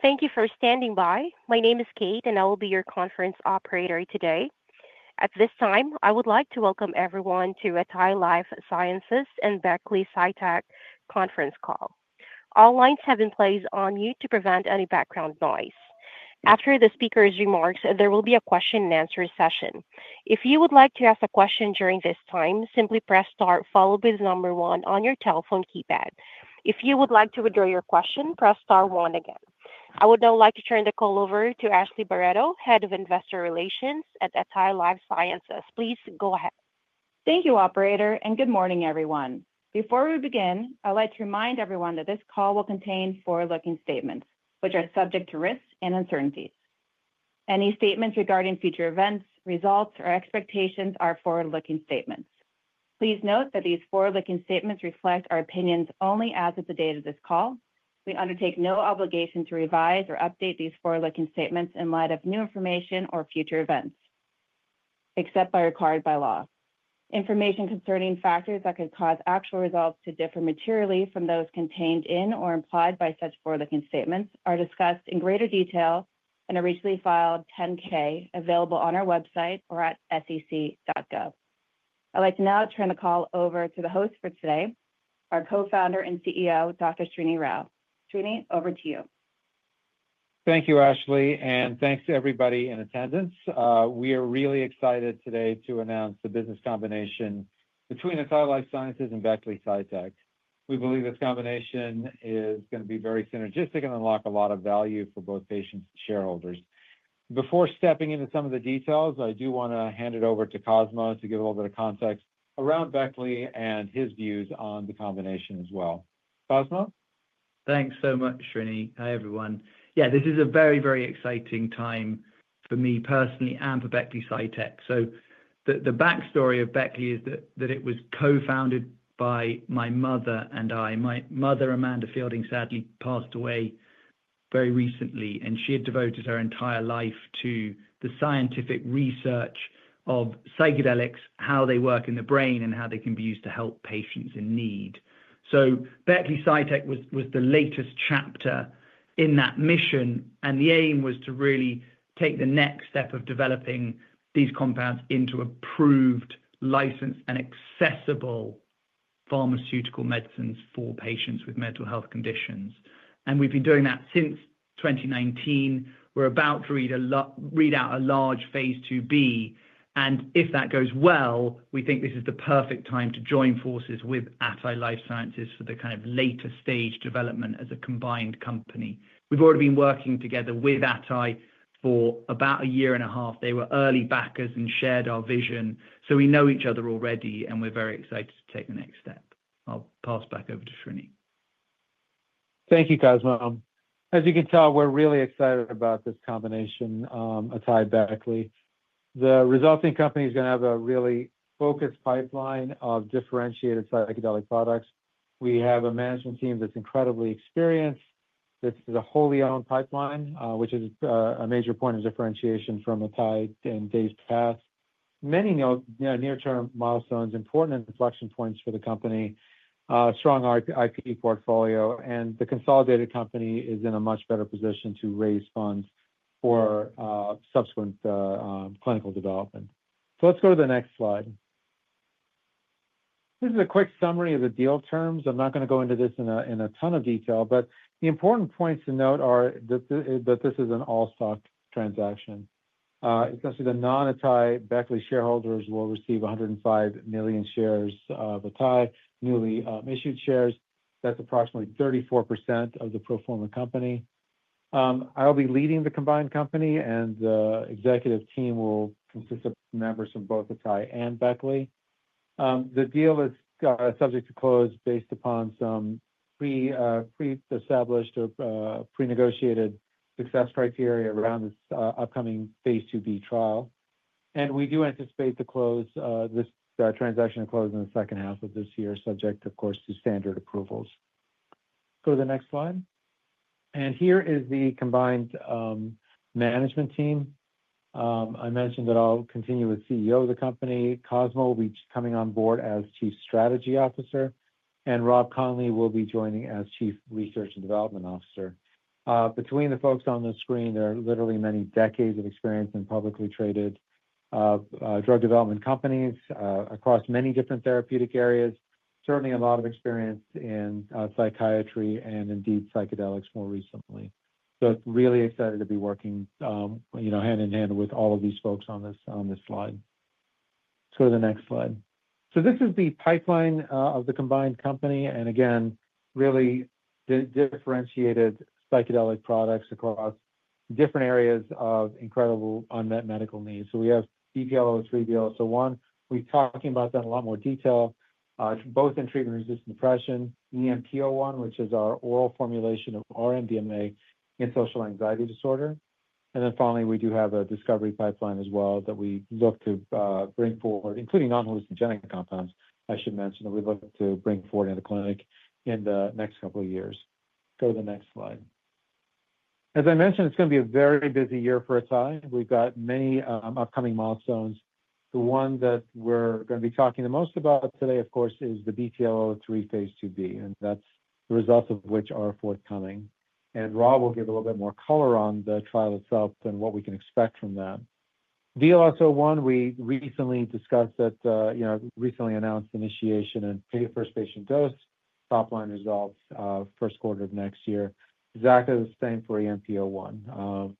Thank you for standing by. My name is Kate, and I will be your conference operator today. At this time, I would like to welcome everyone to atai Life Sciences and Beckley Psytech conference call. All lines have been placed on mute to prevent any background noise. After the speaker's remarks, there will be a Q&A session. If you would like to ask a question during this time, simply press star, followed by the number one on your telephone keypad. If you would like to withdraw your question, press star one again. I would now like to turn the call over to Ashleigh Barreto, Head of Investor Relations at atai Life Sciences. Please go ahead. Thank you, Operator, and good morning, everyone. Before we begin, I'd like to remind everyone that this call will contain forward-looking statements, which are subject to risks and uncertainties. Any statements regarding future events, results, or expectations are forward-looking statements. Please note that these forward-looking statements reflect our opinions only as of the date of this call. We undertake no obligation to revise or update these forward-looking statements in light of new information or future events, except as required by law. Information concerning factors that could cause actual results to differ materially from those contained in or implied by such forward-looking statements are discussed in greater detail in a recently filed 10-K available on our website or at sec.gov. I'd like to now turn the call over to the host for today, our Co-Founder and CEO, Dr. Srinivas Rao. Srini, over to you. Thank you, Ashleigh, and thanks to everybody in attendance. We are really excited today to announce the business combination between atai Life Sciences and Beckley Psytech. We believe this combination is going to be very synergistic and unlock a lot of value for both patients and shareholders. Before stepping into some of the details, I do want to hand it over to Cosmo to give a little bit of context around Beckley and his views on the combination as well. Cosmo? Thanks so much, Srini. Hi, everyone. Yeah, this is a very, very exciting time for me personally and for Beckley Psytech. The backstory of Beckley is that it was co-founded by my mother and I. My mother, Amanda Feilding, sadly passed away very recently, and she had devoted her entire life to the scientific research of psychedelics, how they work in the brain, and how they can be used to help patients in need. Beckley Psytech was the latest chapter in that mission, and the aim was to really take the next step of developing these compounds into approved, licensed, and accessible pharmaceutical medicines for patients with mental health conditions. We've been doing that since 2019. We're about to read out a large phase IIb, and if that goes well, we think this is the perfect time to join forces with atai Life Sciences for the kind of later-stage development as a combined company. We've already been working together with atai for about a year and a half. They were early backers and shared our vision. We know each other already, and we're very excited to take the next step. I'll pass back over to Srini. Thank you, Cosmo. As you can tell, we're really excited about this combination, AtaiBeckley. The resulting company is going to have a really focused pipeline of differentiated psychedelic products. We have a management team that's incredibly experienced. This is a wholly owned pipeline, which is a major point of differentiation from atai and Compass Pathways. Many near-term milestones are important inflection points for the company, a strong IP portfolio, and the consolidated company is in a much better position to raise funds for subsequent clinical development. Let's go to the next slide. This is a quick summary of the deal terms. I'm not going to go into this in a ton of detail, but the important points to note are that this is an all-stock transaction. Essentially, the non-AtaiBeckley shareholders will receive 105 million shares of atai newly issued shares. That's approximately 34% of the pro forma company. I'll be leading the combined company, and the executive team will consist of members from both atai and Beckley. The deal is subject to close based upon some pre-established or pre-negotiated success criteria around this upcoming phase IIb trial. We do anticipate the transaction to close in the second half of this year, subject, of course, to standard approvals. Go to the next slide. Here is the combined management team. I mentioned that I'll continue as CEO of the company. Cosmo will be coming on board as Chief Strategy Officer, and Rob Conley will be joining as Chief Research and Development Officer. Between the folks on the screen, there are literally many decades of experience in publicly traded drug development companies across many different therapeutic areas, certainly a lot of experience in psychiatry and indeed psychedelics more recently. Really excited to be working hand in hand with all of these folks on this slide. Go to the next slide. This is the pipeline of the combined company. Again, really differentiated psychedelic products across different areas of incredible unmet medical needs. We have BPL-003, EMP-01. We're talking about that in a lot more detail, both in treatment-resistant depression, EMP-01, which is our oral formulation of R-MDMA in social anxiety disorder. Finally, we do have a discovery pipeline as well that we look to bring forward, including non-hallucinogenic compounds, I should mention, that we look to bring forward in the clinic in the next couple of years. Go to the next slide. As I mentioned, it's going to be a very busy year for atai. We've got many upcoming milestones. The one that we're going to be talking the most about today, of course, is the BPL-003 phase IIb, and that's the results of which are forthcoming. Rob will give a little bit more color on the trial itself and what we can expect from that. VLS-01, we recently discussed that recently announced initiation and paid first patient dose, top-line results first quarter of next year. Exactly the same for EMP-01,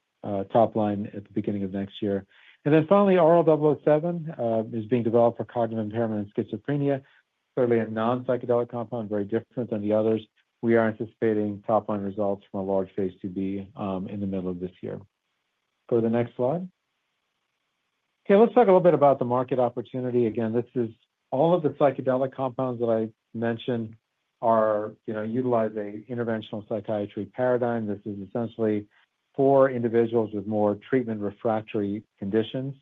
top-line at the beginning of next year. Finally, RL-007 is being developed for cognitive impairment and schizophrenia, clearly a non-psychedelic compound, very different than the others. We are anticipating top-line results from a large phase IIb in the middle of this year. Go to the next slide. Okay, let's talk a little bit about the market opportunity. Again, this is all of the psychedelic compounds that I mentioned are utilizing an interventional psychiatry paradigm. This is essentially for individuals with more treatment refractory conditions,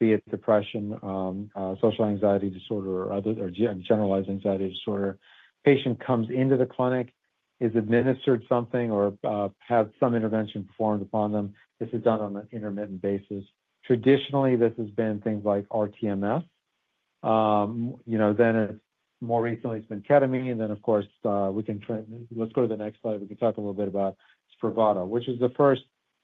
be it depression, social anxiety disorder, or generalized anxiety disorder. The patient comes into the clinic, is administered something, or has some intervention performed upon them. This is done on an intermittent basis. Traditionally, this has been things like rTMS. More recently, it's been ketamine. Of course, we can let's go to the next slide. We can talk a little bit about Spravato, which is the first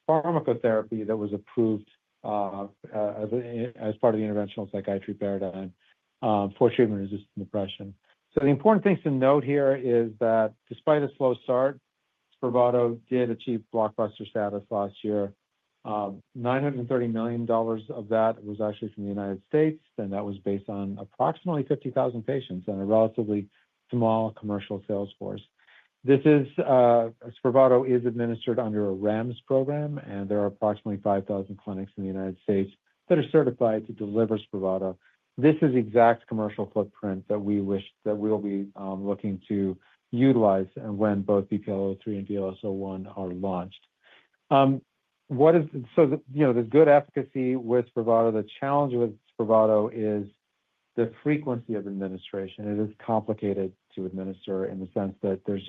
pharmacotherapy that was approved as part of the interventional psychiatry paradigm for treatment-resistant depression. The important things to note here is that despite a slow start, Spravato did achieve blockbuster status last year. $930 million of that was actually from the United States, and that was based on approximately 50,000 patients and a relatively small commercial sales force. Spravato is administered under a REMS program, and there are approximately 5,000 clinics in the United States that are certified to deliver Spravato. This is the exact commercial footprint that we wish that we'll be looking to utilize when both BPL-003 and VLS-01 are launched. There is good efficacy with Spravato. The challenge with Spravato is the frequency of administration. It is complicated to administer in the sense that there are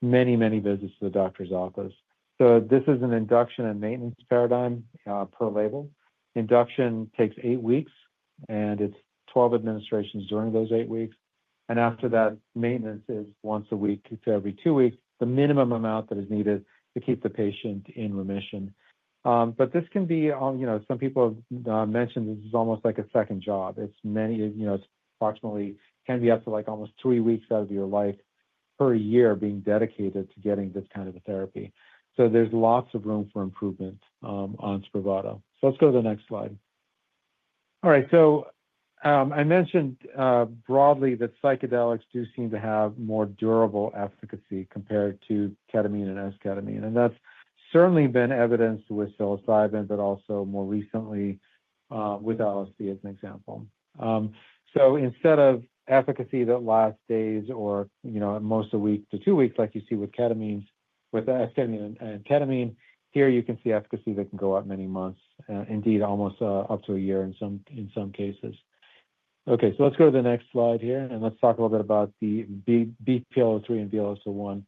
just many, many visits to the doctor's office. This is an induction and maintenance paradigm per label. Induction takes eight weeks, and it is 12 administrations during those eight weeks. After that, maintenance is once a week to every two weeks, the minimum amount that is needed to keep the patient in remission. Some people have mentioned this is almost like a second job. It approximately can be up to almost three weeks out of your life per year being dedicated to getting this kind of a therapy. There is lots of room for improvement on Spravato. Let's go to the next slide. All right, I mentioned broadly that psychedelics do seem to have more durable efficacy compared to ketamine and esketamine. That has certainly been evidenced with psilocybin, but also more recently with LSD as an example. Instead of efficacy that lasts days or most of a week to two weeks, like you see with ketamine, with esketamine and ketamine, here you can see efficacy that can go up many months, indeed almost up to a year in some cases. Okay, let's go to the next slide here, and let's talk a little bit about the BPL-003 and VLS-01.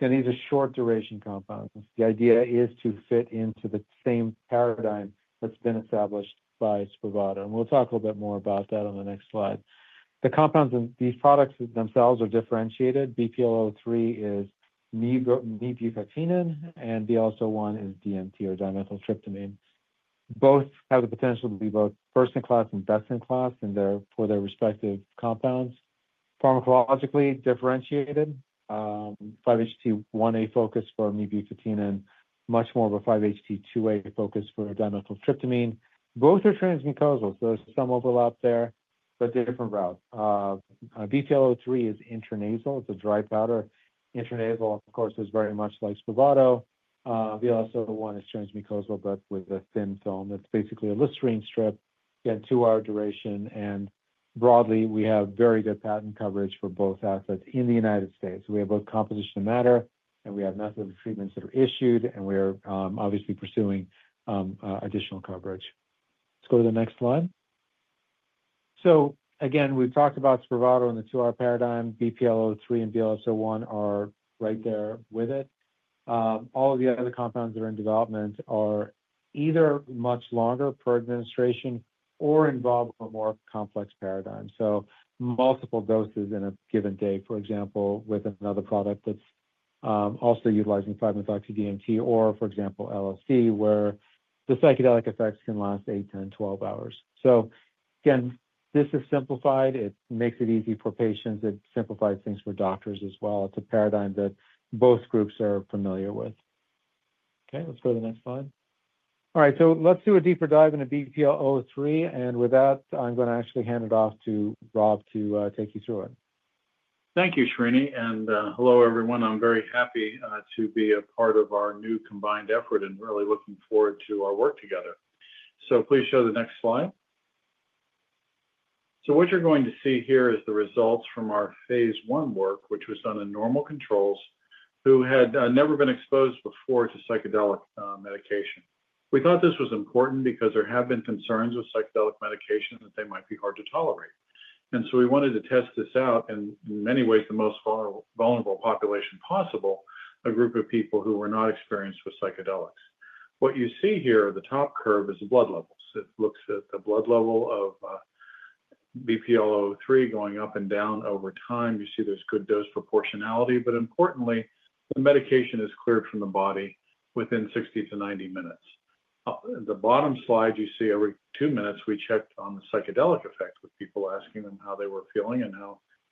Again, these are short-duration compounds. The idea is to fit into the same paradigm that's been established by Spravato. We'll talk a little bit more about that on the next slide. The compounds and these products themselves are differentiated. BPL-003 is nebuprenorphine, and VLS-01 is DMT or dimethyltryptamine. Both have the potential to be both first-in-class and best-in-class for their respective compounds. Pharmacologically differentiated, 5-HT1A focus for nebuprenorphine, much more of a 5-HT2A focus for dimethyltryptamine. Both are transmucosal, so there's some overlap there, but different route. BPL-003 is intranasal. It's a dry powder. Intranasal, of course, is very much like Spravato. VLS-01 is transmucosal, but with a thin film. It's basically a Listerine strip. Again, two-hour duration. Broadly, we have very good patent coverage for both assets in the United States. We have both composition of matter, and we have methods of treatments that are issued, and we are obviously pursuing additional coverage. Let's go to the next slide. Again, we've talked about Spravato in the two-hour paradigm. BPL-003 and VLS-01 are right there with it. All of the other compounds that are in development are either much longer per administration or involve a more complex paradigm. Multiple doses in a given day, for example, with another product that's also utilizing 5-MeO-DMT or, for example, LSD, where the psychedelic effects can last 8/10/12 hours. This is simplified. It makes it easy for patients. It simplifies things for doctors as well. It's a paradigm that both groups are familiar with. Okay, let's go to the next slide. All right, let's do a deeper dive into BPL-003. With that, I'm going to actually hand it off to Rob to take you through it. Thank you, Srini. Hello, everyone. I'm very happy to be a part of our new combined effort and really looking forward to our work together. Please show the next slide. What you're going to see here is the results from our phase I work, which was done in normal controls, who had never been exposed before to psychedelic medication. We thought this was important because there have been concerns with psychedelic medication that they might be hard to tolerate. We wanted to test this out in many ways in the most vulnerable population possible, a group of people who were not experienced with psychedelics. What you see here, the top curve is the blood levels. It looks at the blood level of BPL-003 going up and down over time. You see there's good dose proportionality, but importantly, the medication is cleared from the body within 60 minutes to 90 minutes. The bottom slide, you see every two minutes we checked on the psychedelic effect with people asking them how they were feeling and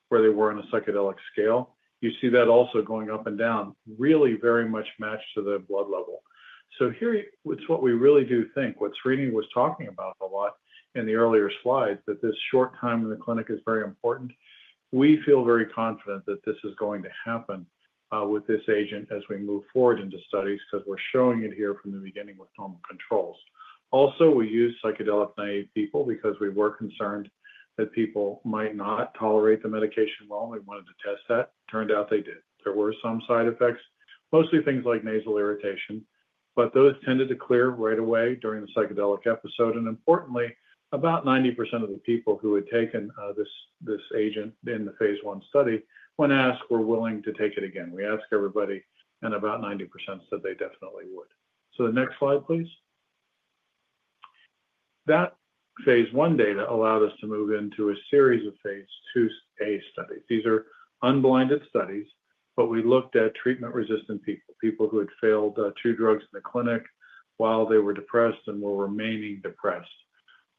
where they were on a psychedelic scale. You see that also going up and down really very much matched to the blood level. Here it's what we really do think. What Srini was talking about a lot in the earlier slides, that this short time in the clinic is very important. We feel very confident that this is going to happen with this agent as we move forward into studies because we're showing it here from the beginning with normal controls. Also, we use psychedelic naive people because we were concerned that people might not tolerate the medication well. We wanted to test that. Turned out they did. There were some side effects, mostly things like nasal irritation, but those tended to clear right away during the psychedelic episode. Importantly, about 90% of the people who had taken this agent in the phase 1 study when asked were willing to take it again. We asked everybody, and about 90% said they definitely would. The next slide, please. That phase I data allowed us to move into a series of phase IIa studies. These are unblinded studies, but we looked at treatment-resistant people, people who had failed two drugs in the clinic while they were depressed and were remaining depressed.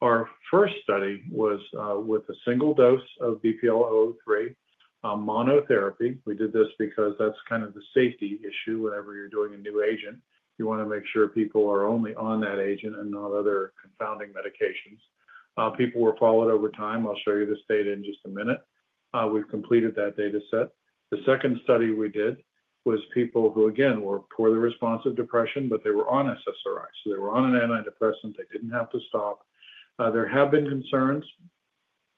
Our first study was with a single dose of BPL-003 monotherapy. We did this because that's kind of the safety issue whenever you're doing a new agent. You want to make sure people are only on that agent and not other confounding medications. People were followed over time. I'll show you this data in just a minute. We've completed that data set. The second study we did was people who, again, were poorly responsive to depression, but they were on SSRIs. So they were on an antidepressant. They didn't have to stop. There have been concerns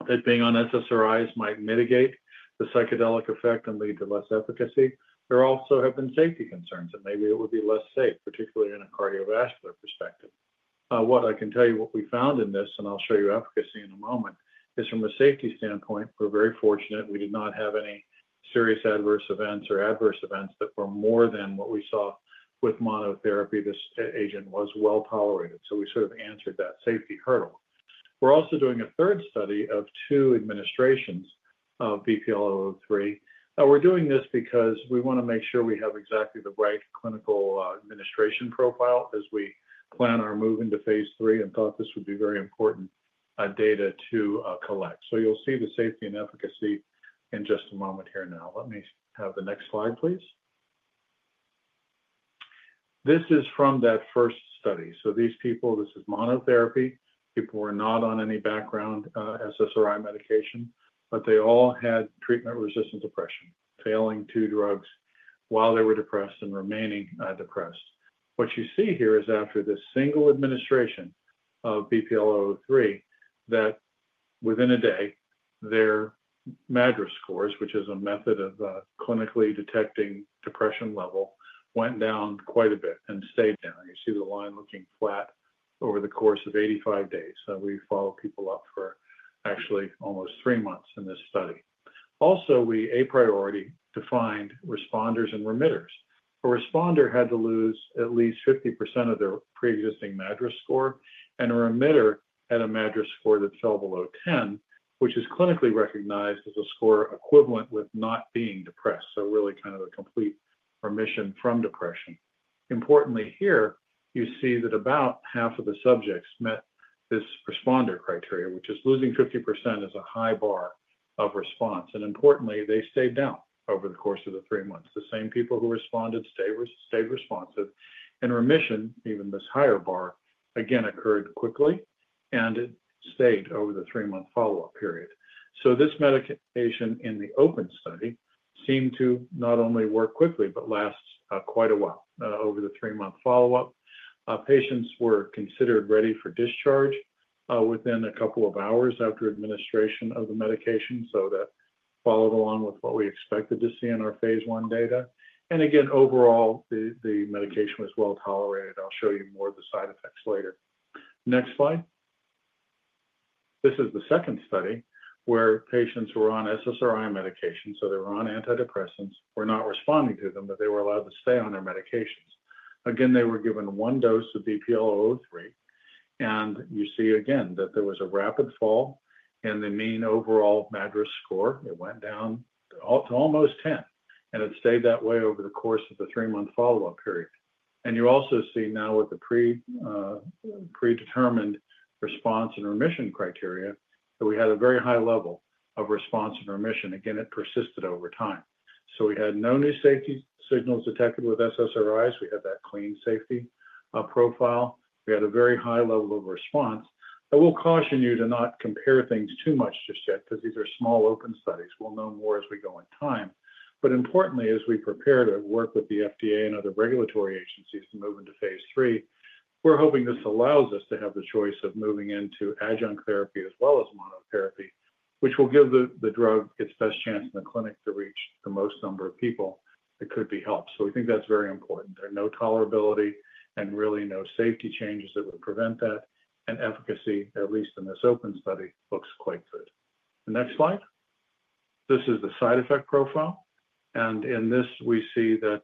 that being on SSRIs might mitigate the psychedelic effect and lead to less efficacy. There also have been safety concerns that maybe it would be less safe, particularly in a cardiovascular perspective. What I can tell you, what we found in this, and I'll show you efficacy in a moment, is from a safety standpoint, we're very fortunate. We did not have any serious adverse events or adverse events that were more than what we saw with monotherapy. This agent was well tolerated. We sort of answered that safety hurdle. We're also doing a third study of two administrations of BPL-003. We're doing this because we want to make sure we have exactly the right clinical administration profile as we plan our move into phase III and thought this would be very important data to collect. You'll see the safety and efficacy in just a moment here now. Let me have the next slide, please. This is from that first study. These people, this is monotherapy. People were not on any background SSRI medication, but they all had treatment-resistant depression, failing two drugs while they were depressed and remaining depressed. What you see here is after this single administration of BPL-003 that within a day, their MADRS scores, which is a method of clinically detecting depression level, went down quite a bit and stayed down. You see the line looking flat over the course of 85 days. We followed people up for actually almost three months in this study. Also, we a priori defined responders and remitters. A responder had to lose at least 50% of their pre-existing MADRS score, and a remitter had a MADRS score that fell below 10, which is clinically recognized as a score equivalent with not being depressed. Really kind of a complete remission from depression. Importantly here, you see that about half of the subjects met this responder criteria, which is losing 50% is a high bar of response. Importantly, they stayed down over the course of the three months. The same people who responded stayed responsive. Remission, even this higher bar, again, occurred quickly and stayed over the three-month follow-up period. This medication in the open study seemed to not only work quickly, but last quite a while over the three-month follow-up. Patients were considered ready for discharge within a couple of hours after administration of the medication. That followed along with what we expected to see in our phase I data. Again, overall, the medication was well tolerated. I'll show you more of the side effects later. Next slide. This is the second study where patients were on SSRI medication. They were on antidepressants, were not responding to them, but they were allowed to stay on their medications. Again, they were given one dose of BPL-003. You see again that there was a rapid fall in the mean overall MADRS score. It went down to almost 10, and it stayed that way over the course of the three-month follow-up period. You also see now with the predetermined response and remission criteria that we had a very high level of response and remission. Again, it persisted over time. We had no new safety signals detected with SSRIs. We had that clean safety profile. We had a very high level of response. I will caution you to not compare things too much just yet because these are small open studies. We'll know more as we go in time. Importantly, as we prepare to work with the FDA and other regulatory agencies to move into phase III, we're hoping this allows us to have the choice of moving into adjunct therapy as well as monotherapy, which will give the drug its best chance in the clinic to reach the most number of people that could be helped. We think that's very important. There are no tolerability and really no safety changes that would prevent that. Efficacy, at least in this open study, looks quite good. The next slide. This is the side effect profile. In this, we see that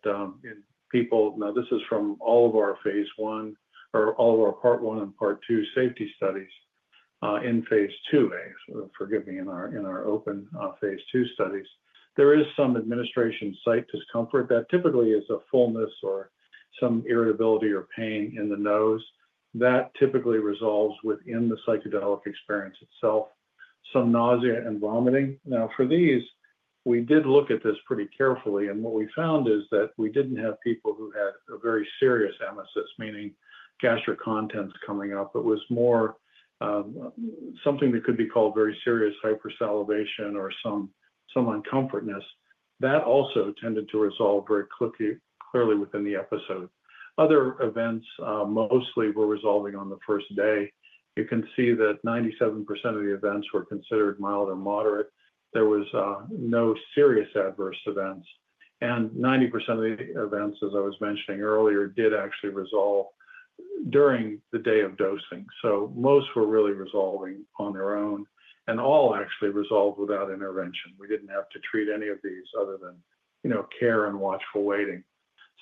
people, now this is from all of our phase I or all of our part 1 and part 2 safety studies in phase IIa, forgive me, in our open phase II studies. There is some administration site discomfort that typically is a fullness or some irritability or pain in the nose. That typically resolves within the psychedelic experience itself. Some nausea and vomiting. For these, we did look at this pretty carefully. What we found is that we did not have people who had a very serious emesis, meaning gastric contents coming up. It was more something that could be called very serious hypersalivation or some uncomfortness. That also tended to resolve very clearly within the episode. Other events mostly were resolving on the first day. You can see that 97% of the events were considered mild or moderate. There were no serious adverse events. 90% of the events, as I was mentioning earlier, did actually resolve during the day of dosing. Most were really resolving on their own. All actually resolved without intervention. We did not have to treat any of these other than care and watchful waiting.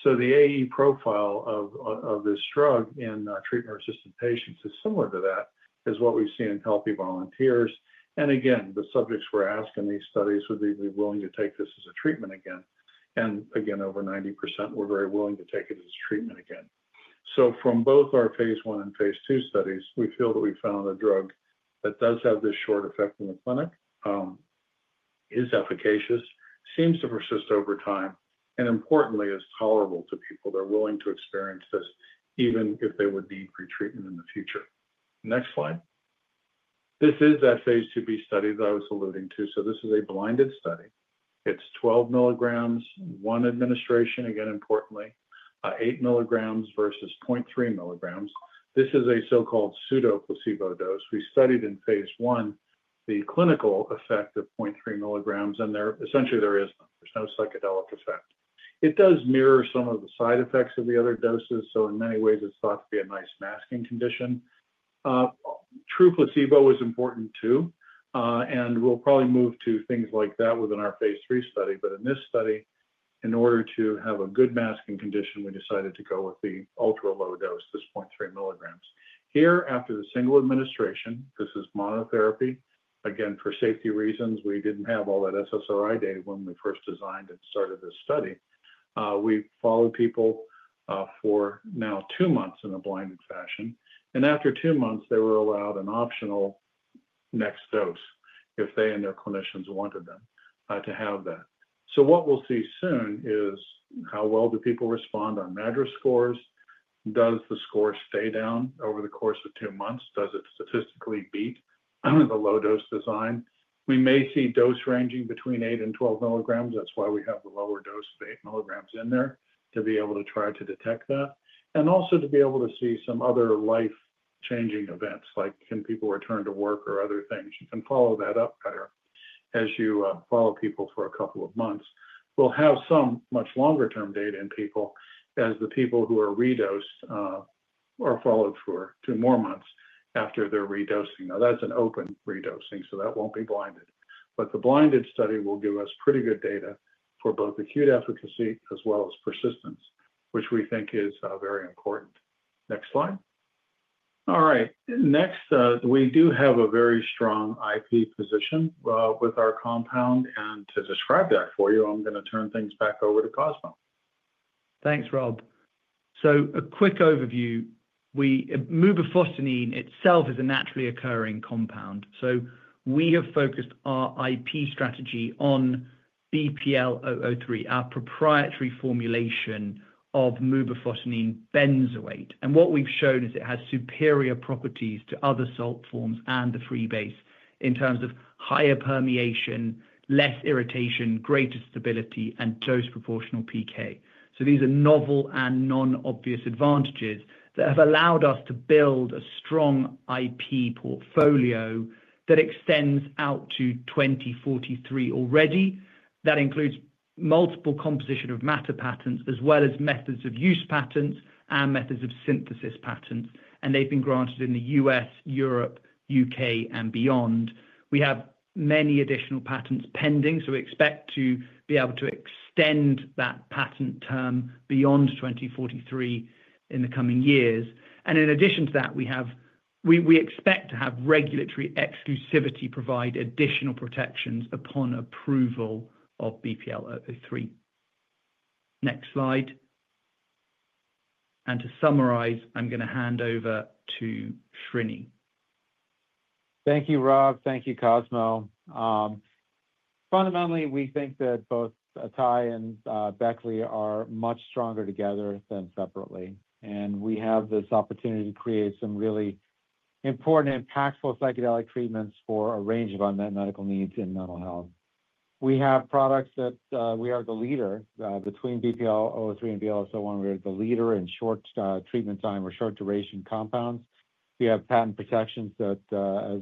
The AE profile of this drug in treatment-resistant patients is similar to what we have seen in healthy volunteers. The subjects we are asking in these studies would be willing to take this as a treatment again. Over 90% were very willing to take it as a treatment again. From both our phase I and phase II studies, we feel that we found a drug that does have this short effect in the clinic, is efficacious, seems to persist over time, and importantly, is tolerable to people. They're willing to experience this even if they would need retreatment in the future. Next slide. This is that phase IIb study that I was alluding to. This is a blinded study. It is 12 mg, one administration, again, importantly, 8 mg versus 0.3 mg. This is a so-called pseudoplacebo dose. We studied in phase 1 the clinical effect of 0.3 mg, and essentially there is none. There is no psychedelic effect. It does mirror some of the side effects of the other doses. In many ways, it is thought to be a nice masking condition. True placebo is important too. We will probably move to things like that within our phase III study. In this study, in order to have a good masking condition, we decided to go with the ultra-low dose, this 0.3 mg. Here, after the single administration, this is monotherapy. Again, for safety reasons, we did not have all that SSRI data when we first designed and started this study. We followed people for now two months in a blinded fashion. After two months, they were allowed an optional next dose if they and their clinicians wanted them to have that. What we will see soon is how well do people respond on MADRS scores. Does the score stay down over the course of two months? Does it statistically beat the low-dose design? We may see dose ranging between 8 mg-12 mg. That's why we have the lower dose of 8 mg in there to be able to try to detect that. Also to be able to see some other life-changing events, like can people return to work or other things. You can follow that up better as you follow people for a couple of months. We'll have some much longer-term data in people as the people who are redosed or followed for two more months after their redosing. Now, that's an open redosing, so that won't be blinded. The blinded study will give us pretty good data for both acute efficacy as well as persistence, which we think is very important. Next slide. All right. Next, we do have a very strong IP position with our compound. To describe that for you, I'm going to turn things back over to Cosmo. Thanks, Rob. A quick overview. Mubifosinine itself is a naturally occurring compound. We have focused our IP strategy on BPL-003, our proprietary formulation of mubifosinine benzoate. What we've shown is it has superior properties to other salt forms and the free base in terms of higher permeation, less irritation, greater stability, and dose-proportional pK. These are novel and non-obvious advantages that have allowed us to build a strong IP portfolio that extends out to 2043 already. That includes multiple composition of matter patents as well as methods of use patents and methods of synthesis patents. They have been granted in the U.S., Europe, U.K., and beyond. We have many additional patents pending, so we expect to be able to extend that patent term beyond 2043 in the coming years. In addition to that, we expect to have regulatory exclusivity provide additional protections upon approval of BPL-003. Next slide. To summarize, I'm going to hand over to Srini. Thank you, Rob. Thank you, Cosmo. Fundamentally, we think that both Atai and Beckley are much stronger together than separately. We have this opportunity to create some really important, impactful psychedelic treatments for a range of unmet medical needs in mental health. We have products that we are the leader. Between BPL-003 and VLS-01, we are the leader in short treatment time or short-duration compounds. We have patent protections that are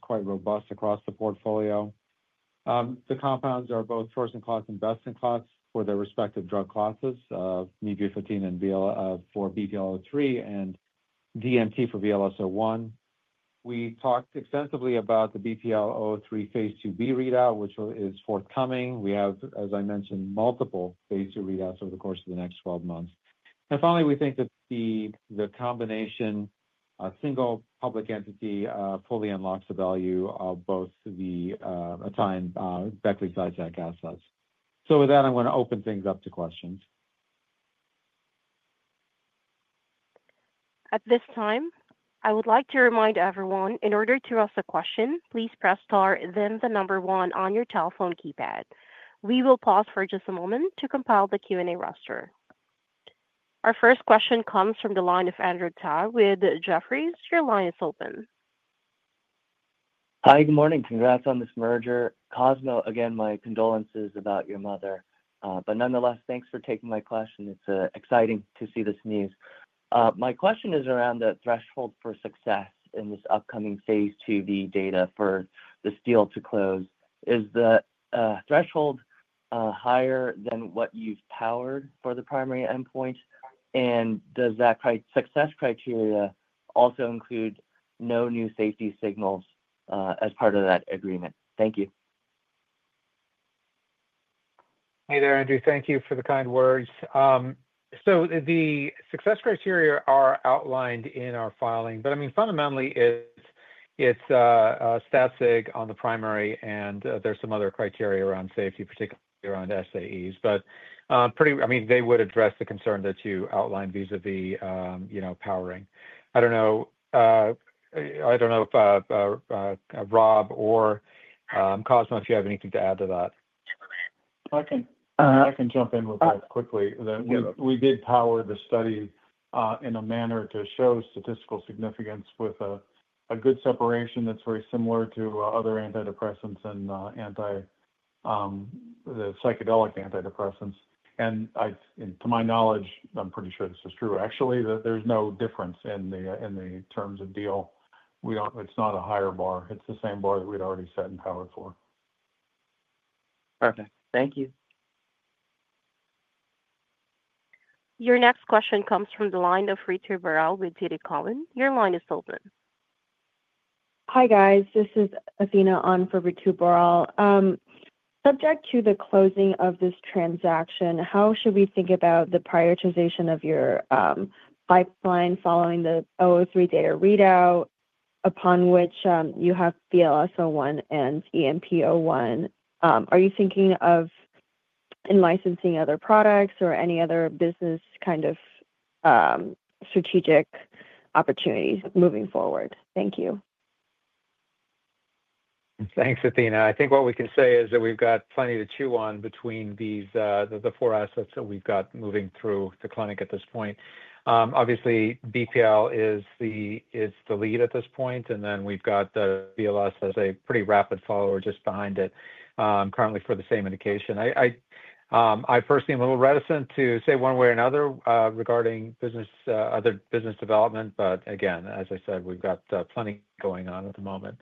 quite robust across the portfolio. The compounds are both first-in-class and best-in-class for their respective drug classes, nebufetine for BPL-003 and DMT for VLS-01. We talked extensively about the BPL-003 phase IIb readout, which is forthcoming. We have, as I mentioned, multiple phase II readouts over the course of the next 12 months. Finally, we think that the combination, a single public entity, fully unlocks the value of both the atai and Beckley Psytech assets. With that, I'm going to open things up to questions. At this time, I would like to remind everyone, in order to ask a question, please press star, then the number one on your telephone keypad. We will pause for just a moment to compile the Q&A roster. Our first question comes from the line of Andrew Tsai with Jefferies. Your line is open. Hi, good morning. Congrats on this merger. Cosmo, again, my condolences about your mother. Nonetheless, thanks for taking my question. It's exciting to see this news. My question is around the threshold for success in this upcoming phase IIb data for the deal to close. Is the threshold higher than what you've powered for the primary endpoint? Does that success criteria also include no new safety signals as part of that agreement? Thank you. Hey there, Andrew. Thank you for the kind words. The success criteria are outlined in our filing. I mean, fundamentally, it's Statsig on the primary, and there's some other criteria around safety, particularly around SAEs. I mean, they would address the concern that you outlined vis-à-vis powering. I don't know if Rob or Cosmo, if you have anything to add to that. I can jump in real quickly. We did power the study in a manner to show statistical significance with a good separation that's very similar to other antidepressants and psychedelic antidepressants. To my knowledge, I'm pretty sure this is true, actually, that there's no difference in the terms of deal. It's not a higher bar. It's the same bar that we'd already set and powered for. Perfect. Thank you. Your next question comes from the line of Ritu Baral with TD Cowen. Your line is open. Hi, guys. This is Athena On for Ritu Baral. Subject to the closing of this transaction, how should we think about the prioritization of your pipeline following the 003 data readout, upon which you have BPL-003 and EMP-01? Are you thinking of licensing other products or any other business kind of strategic opportunities moving forward? Thank you. Thanks, Athena. I think what we can say is that we've got plenty to chew on between the four assets that we've got moving through the clinic at this point. Obviously, BPL-003 is the lead at this point. Then we've got the BPL as a pretty rapid follower just behind it, currently for the same indication. I personally am a little reticent to say one way or another regarding other business development. But again, as I said, we've got plenty going on at the moment.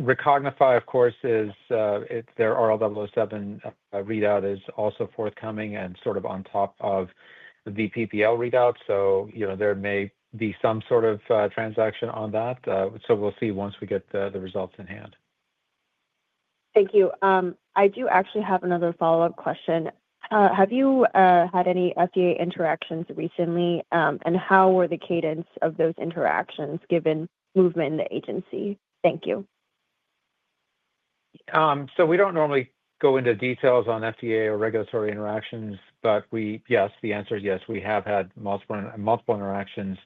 Recognify, of course, is their RL-007 readout is also forthcoming and sort of on top of the BPL readout. There may be some sort of transaction on that. We'll see once we get the results in hand. Thank you. I do actually have another follow-up question. Have you had any FDA interactions recently, and how were the cadence of those interactions given movement in the agency? Thank you. We don't normally go into details on FDA or regulatory interactions, but yes, the answer is yes. We have had multiple interactions.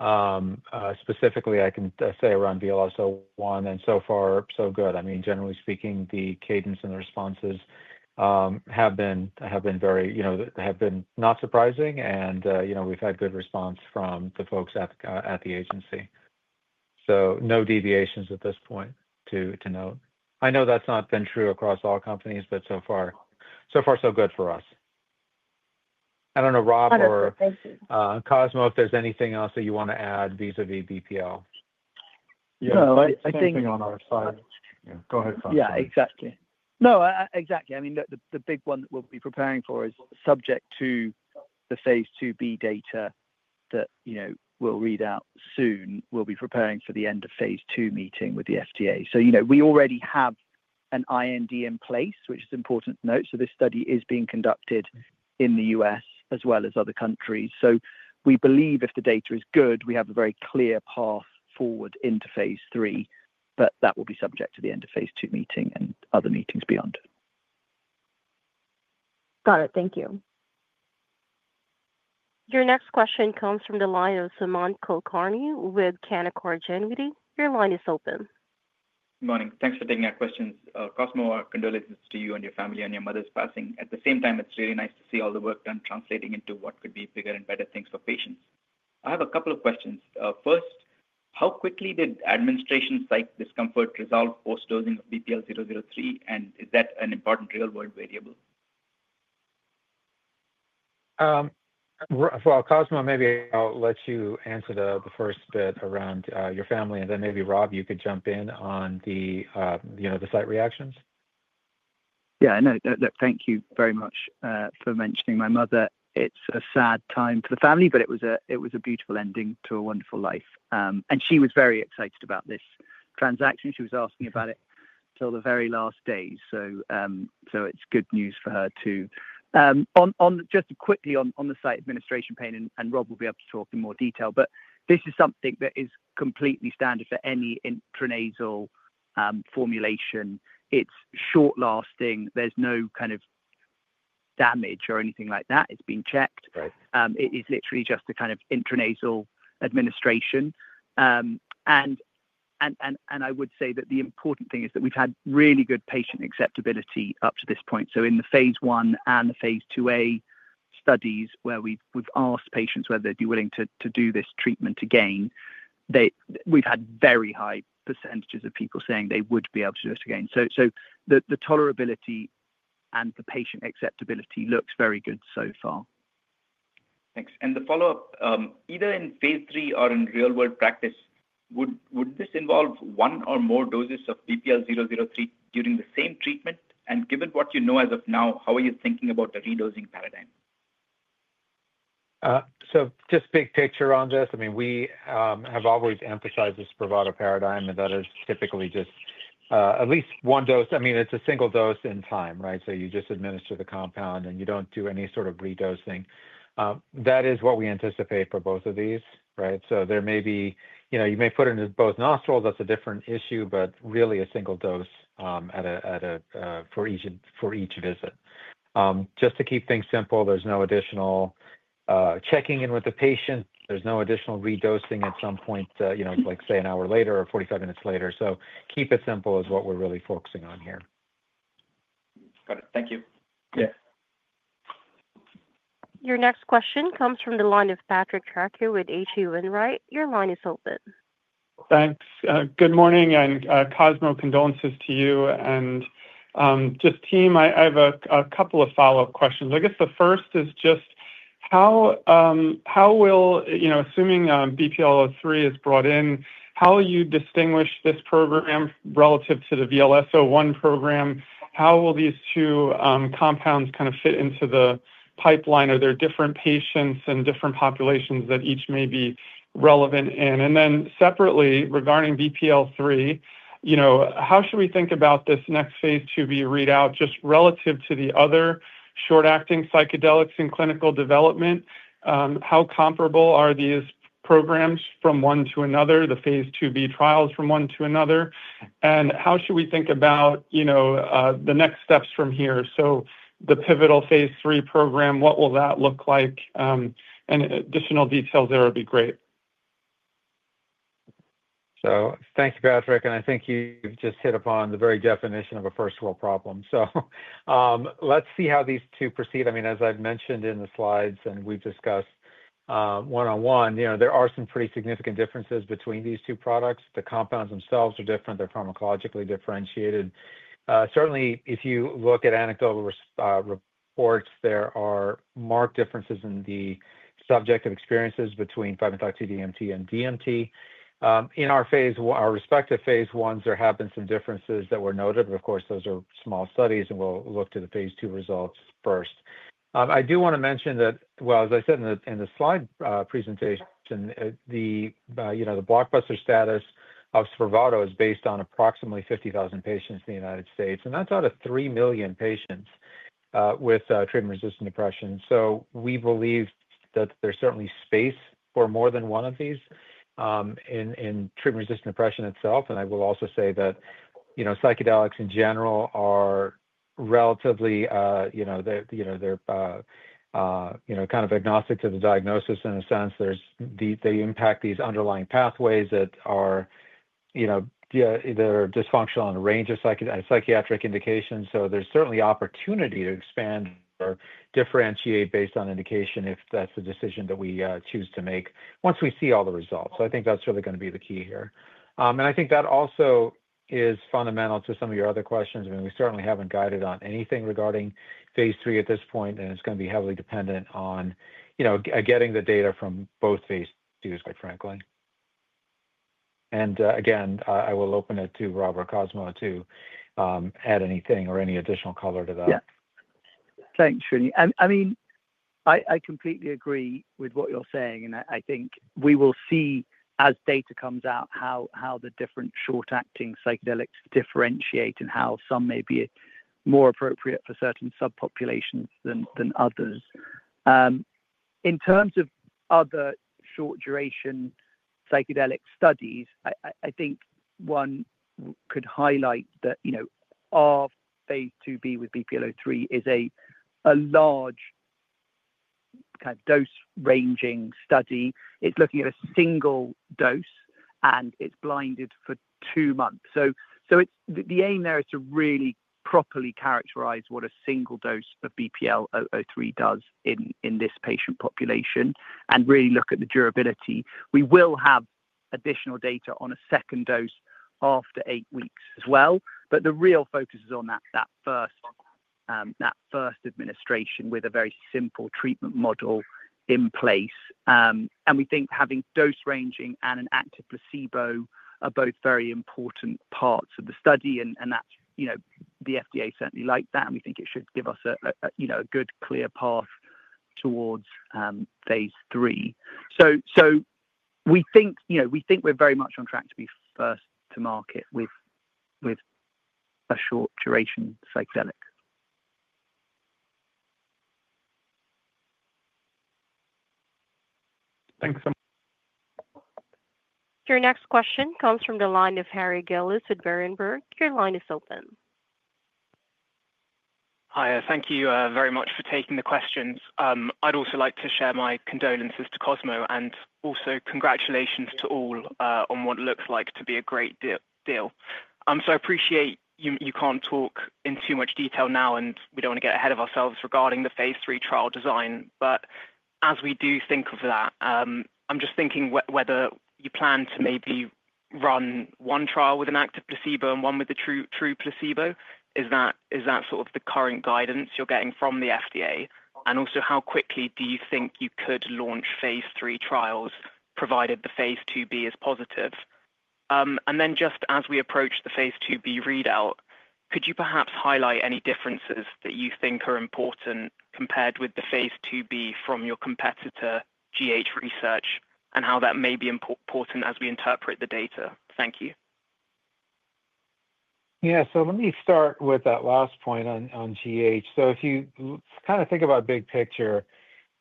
Specifically, I can say around BPL-003 and so far, so good. I mean, generally speaking, the cadence and the responses have been very, have been not surprising. We've had good response from the folks at the agency. No deviations at this point to note. I know that's not been true across all companies, but so far, so good for us. I don't know, Rob or Cosmo, if there's anything else that you want to add vis-à-vis BPL. Yeah, I think on our side. Yeah, go ahead, Cosmo. Yeah, exactly. No, exactly. I mean, the big one that we'll be preparing for is subject to the phase IIb data that we'll read out soon. We'll be preparing for the end of phase II meeting with the FDA. We already have an IND in place, which is important to note. This study is being conducted in the U.S. as well as other countries. We believe if the data is good, we have a very clear path forward into phase III, but that will be subject to the end of phase II meeting and other meetings beyond. Got it. Thank you. Your next question comes from the line of Sumant Kulkarni with Canaccord Genuity. Your line is open. Good morning. Thanks for taking our questions, Cosmo. Our condolences to you and your family on your mother's passing. At the same time, it is really nice to see all the work done translating into what could be bigger and better things for patients. I have a couple of questions. First, how quickly did administration site discomfort resolve post-dosing of BPL-003? And is that an important real-world variable? Cosmo, maybe I will let you answer the first bit around your family. Then maybe, Rob, you could jump in on the site reactions. Yeah. No, thank you very much for mentioning my mother. It's a sad time for the family, but it was a beautiful ending to a wonderful life. She was very excited about this transaction. She was asking about it till the very last day. It is good news for her too. Just quickly on the site administration pain, and Rob will be able to talk in more detail. This is something that is completely standard for any intranasal formulation. It's short-lasting. There is no kind of damage or anything like that. It's been checked. It is literally just a kind of intranasal administration. I would say that the important thing is that we've had really good patient acceptability up to this point. In the phase I and the phase IIa studies where we've asked patients whether they'd be willing to do this treatment again, we've had very high percentages of people saying they would be able to do it again. The tolerability and the patient acceptability looks very good so far. Thanks. The follow-up, either in phase III or in real-world practice, would this involve one or more doses of BPL-003 during the same treatment? Given what you know as of now, how are you thinking about the redosing paradigm? Just big picture on this. I mean, we have always emphasized this Spravato paradigm, and that is typically just at least one dose. I mean, it's a single dose in time, right? You just administer the compound, and you do not do any sort of redosing. That is what we anticipate for both of these, right? There may be—you may put it in both nostrils. That is a different issue, but really a single dose for each visit. Just to keep things simple, there is no additional checking in with the patient. There is no additional redosing at some point, like say an hour later or 45 minutes later. Keep it simple is what we are really focusing on here. Got it. Thank you. Your next question comes from the line of Patrick Trucchio with H.C. Wainwright. Your line is open. Thanks. Good morning. And Cosmo, condolences to you. And just team, I have a couple of follow-up questions. I guess the first is just how will—assuming BPL-003 is brought in, how will you distinguish this program relative to the VLS-01 program? How will these two compounds kind of fit into the pipeline? Are there different patients and different populations that each may be relevant in? And then separately, regarding BPL-003, how should we think about this next phase IIb readout just relative to the other short-acting psychedelics in clinical development? How comparable are these programs from one to another, the phase IIb trials from one to another? How should we think about the next steps from here? The pivotal phase III program, what will that look like? Additional details there would be great. Thanks, Patrick. I think you've just hit upon the very definition of a first-world problem. Let's see how these two proceed. I mean, as I've mentioned in the slides and we've discussed one-on-one, there are some pretty significant differences between these two products. The compounds themselves are different. They're pharmacologically differentiated. Certainly, if you look at anecdotal reports, there are marked differences in the subjective experiences between 5-MeO-DMT and DMT. In our respective phase Is, there have been some differences that were noted. Of course, those are small studies, and we'll look to the phase II results first. I do want to mention that, as I said in the slide presentation, the blockbuster status of Spravato is based on approximately 50,000 patients in the United States. That's out of 3 million patients with treatment-resistant depression. We believe that there's certainly space for more than one of these in treatment-resistant depression itself. I will also say that psychedelics in general are relatively—they're kind of agnostic to the diagnosis in a sense. They impact these underlying pathways that are dysfunctional in a range of psychiatric indications. There's certainly opportunity to expand or differentiate based on indication if that's the decision that we choose to make once we see all the results. I think that's really going to be the key here. I think that also is fundamental to some of your other questions. I mean, we certainly haven't guided on anything regarding phase III at this point, and it's going to be heavily dependent on getting the data from both phase IIs, quite frankly. Again, I will open it to Rob or Cosmo to add anything or any additional color to that. Thanks, Srini. I mean, I completely agree with what you're saying. I think we will see as data comes out how the different short-acting psychedelics differentiate and how some may be more appropriate for certain subpopulations than others. In terms of other short-duration psychedelic studies, I think one could highlight that our phase IIb with BPL-003 is a large kind of dose-ranging study. It's looking at a single dose, and it's blinded for two months. The aim there is to really properly characterize what a single dose of BPL-003 does in this patient population and really look at the durability. We will have additional data on a second dose after eight weeks as well. The real focus is on that first administration with a very simple treatment model in place. We think having dose-ranging and an active placebo are both very important parts of the study. The FDA certainly liked that. We think it should give us a good, clear path towards phase III. We think we are very much on track to be first to market with a short-duration psychedelic. Thanks. Your next question comes from the line of Harry Gillis at Berenberg. Your line is open. Hi. Thank you very much for taking the questions. I'd also like to share my condolences to Cosmo and also congratulations to all on what looks like to be a great deal. I appreciate you can't talk in too much detail now, and we don't want to get ahead of ourselves regarding the phase III trial design. As we do think of that, I'm just thinking whether you plan to maybe run one trial with an active placebo and one with a true placebo. Is that sort of the current guidance you're getting from the FDA? Also, how quickly do you think you could launch phase III trials provided the phase IIb is positive? Just as we approach the phase IIb readout, could you perhaps highlight any differences that you think are important compared with the phase IIb from your competitor, GH Research, and how that may be important as we interpret the data? Thank you. Yeah. Let me start with that last point on GH. If you kind of think about big picture,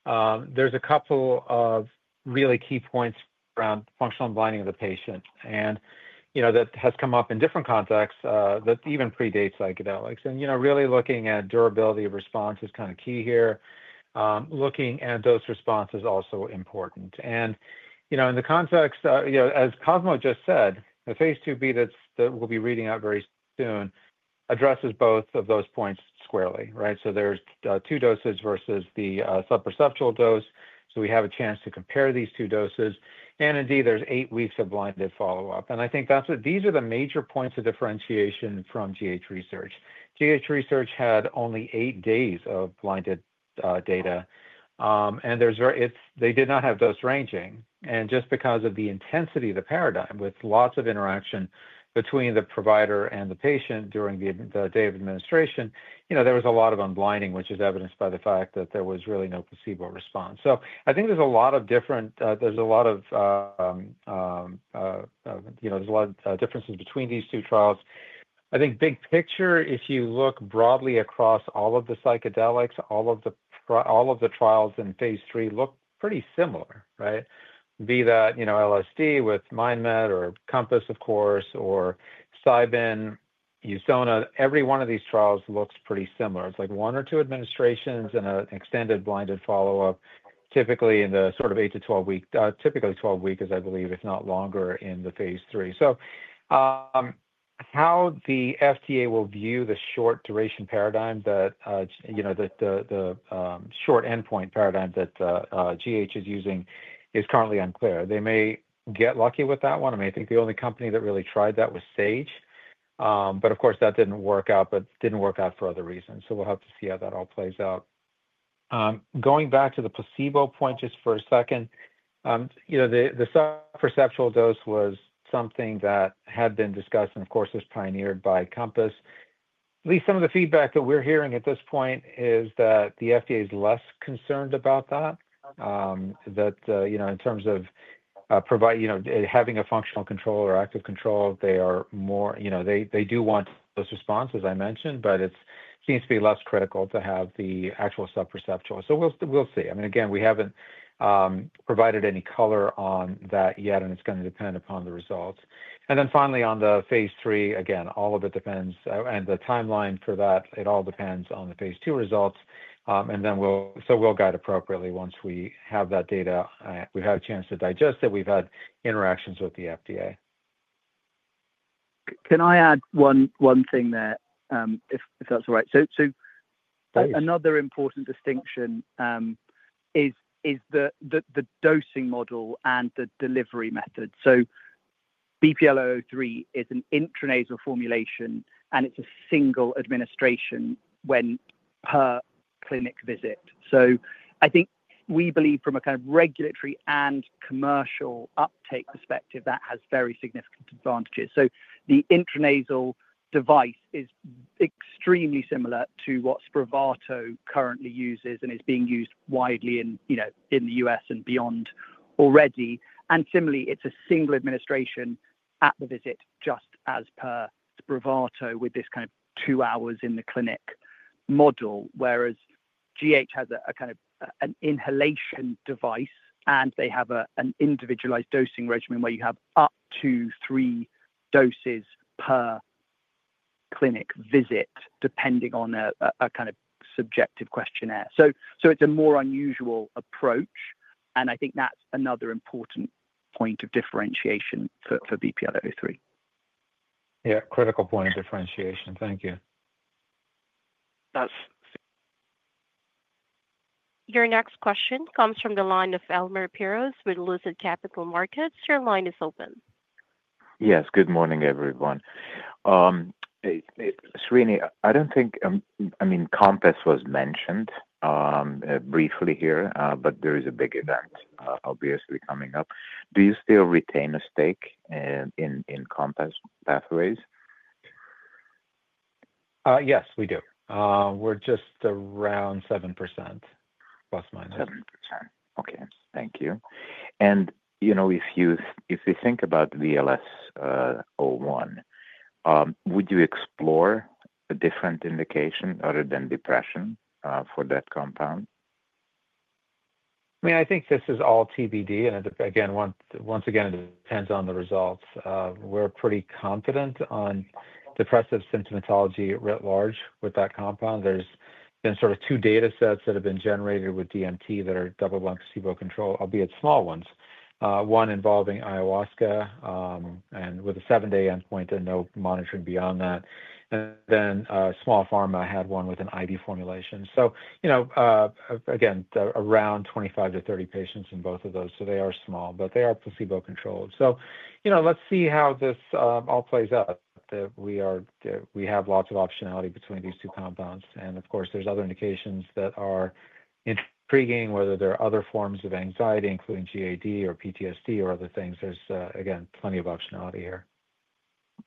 there's a couple of really key points around functional blinding of the patient. That has come up in different contexts that even predate psychedelics. Really looking at durability of response is kind of key here. Looking at those responses is also important. In the context, as Cosmo just said, the phase IIb that we'll be reading out very soon addresses both of those points squarely, right? There's two doses versus the subperceptual dose. We have a chance to compare these two doses. Indeed, there's eight weeks of blinded follow-up. I think these are the major points of differentiation from GH Research. GH Research had only eight days of blinded data. They did not have dose-ranging. Just because of the intensity of the paradigm with lots of interaction between the provider and the patient during the day of administration, there was a lot of unblinding, which is evidenced by the fact that there was really no placebo response. I think there are a lot of differences between these two trials. I think big picture, if you look broadly across all of the psychedelics, all of the trials in phase III look pretty similar, right? Be that LSD with MindMed or Compass, of course, or Cybin, Usona. Every one of these trials looks pretty similar. It's like one or two administrations and an extended blinded follow-up, typically in the sort of 8 week-12 week—typically 12 weeks, I believe, if not longer in the phase III. How the FDA will view the short-duration paradigm, the short-end point paradigm that GH is using, is currently unclear. They may get lucky with that one. I mean, I think the only company that really tried that was Sage. Of course, that did not work out, but did not work out for other reasons. We will have to see how that all plays out. Going back to the placebo point just for a second, the subperceptual dose was something that had been discussed and, of course, was pioneered by Compass. At least some of the feedback that we are hearing at this point is that the FDA is less concerned about that. In terms of having a functional control or active control, they are more—they do want those responses I mentioned, but it seems to be less critical to have the actual subperceptual. We will see. I mean, again, we haven't provided any color on that yet, and it's going to depend upon the results. Finally, on the phase III, again, all of it depends. The timeline for that, it all depends on the phase II results. We'll guide appropriately once we have that data, we've had a chance to digest it, we've had interactions with the FDA. Can I add one thing there, if that's all right? Another important distinction is the dosing model and the delivery method. BPL-003 is an intranasal formulation, and it's a single administration per clinic visit. I think we believe from a kind of regulatory and commercial uptake perspective, that has very significant advantages. The intranasal device is extremely similar to what Spravato currently uses and is being used widely in the U.S. and beyond already. Similarly, it is a single administration at the visit, just as per Spravato with this kind of two hours in the clinic model, whereas GH has a kind of an inhalation device, and they have an individualized dosing regimen where you have up to three doses per clinic visit, depending on a kind of subjective questionnaire. It is a more unusual approach. I think that is another important point of differentiation for BPL-003. Yeah. Critical point of differentiation. Thank you. Your next question comes from the line of Elmer Piros with Lucid Capital Markets. Your line is open. Yes. Good morning, everyone. Srini, I do not think—I mean, Compass was mentioned briefly here, but there is a big event obviously coming up. Do you still retain a stake in Compass Pathways? Yes, we do. We are just around 7%, +-7%. Okay. Thank you. If you think about VLS-01, would you explore a different indication other than depression for that compound? I mean, I think this is all TBD. Once again, it depends on the results. We're pretty confident on depressive symptomatology at large with that compound. There have been sort of two data sets that have been generated with DMT that are double-blind placebo controlled, albeit small ones. One involving Ayahuasca with a seven-day endpoint and no monitoring beyond that. Small Pharma had one with an IV formulation. Around 25-30 patients in both of those. They are small, but they are placebo controlled. Let's see how this all plays out. We have lots of optionality between these two compounds. Of course, there are other indications that are intriguing, whether there are other forms of anxiety, including GAD or PTSD or other things. There is, again, plenty of optionality here.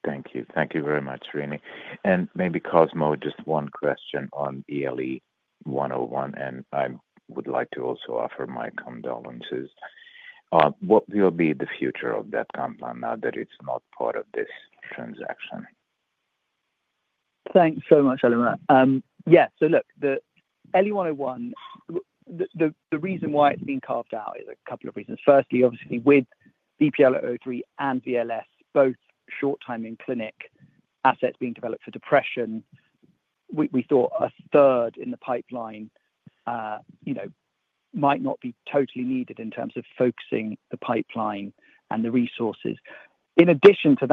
Thank you. Thank you very much, Trini. Maybe Cosmo, just one question on ELE-101. I would like to also offer my condolences. What will be the future of that compound now that it is not part of this transaction? Thanks so much, Elmer. Yeah. The ELE-101, the reason why it is being carved out is a couple of reasons. Firstly, obviously, with BPL-003 and VLS, both short-time in clinic assets being developed for depression, we thought a third in the pipeline might not be totally needed in terms of focusing the pipeline and the resources. In addition to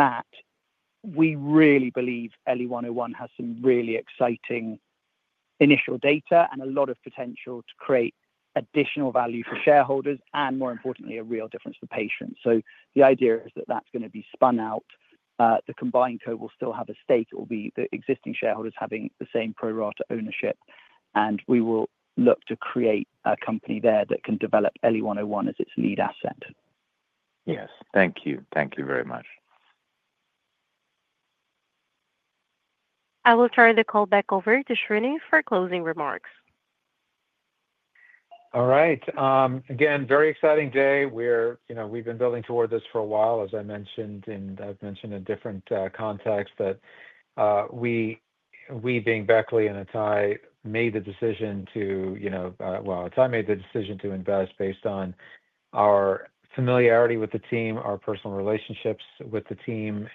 that, we really believe ELE-101 has some really exciting initial data and a lot of potential to create additional value for shareholders and, more importantly, a real difference for patients. The idea is that that is going to be spun out. The combined company will still have a stake. It will be the existing shareholders having the same pro-rata ownership. We will look to create a company there that can develop ELE-101 as its lead asset. Yes. Thank you. Thank you very much. I will turn the call back over to Srini for closing remarks. All right. Again, very exciting day. We've been building toward this for a while, as I mentioned, and I've mentioned in different contexts that we, being Beckley and atai, made the decision to—atai made the decision to invest based on our familiarity with the team, our personal relationships with the team.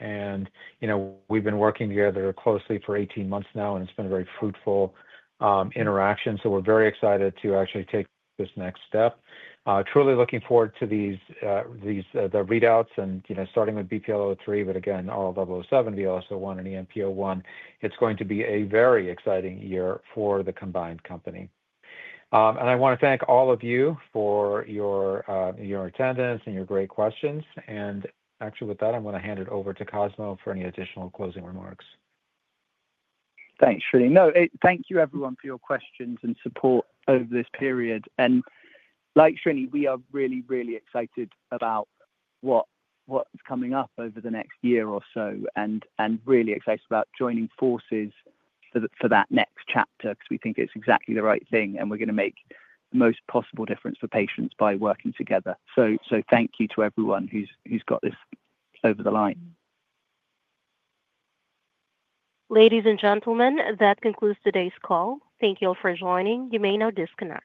We've been working together closely for 18 months now, and it's been a very fruitful interaction. We are very excited to actually take this next step. Truly looking forward to the readouts and starting with BPL-003, but again, RL-007, BPL-003, VLS-01, and EMP-01. It's going to be a very exciting year for the combined company. I want to thank all of you for your attendance and your great questions. Actually, with that, I'm going to hand it over to Cosmo for any additional closing remarks. Thanks, Srini. No, thank you, everyone, for your questions and support over this period. Like Trini, we are really, really excited about what's coming up over the next year or so and really excited about joining forces for that next chapter because we think it's exactly the right thing. We're going to make the most possible difference for patients by working together. Thank you to everyone who's got this over the line. Ladies and gentlemen, that concludes today's call. Thank you all for joining. You may now disconnect.